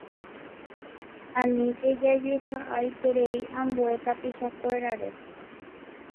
Aníke jajehe'aiterei ambue tapichakuérare.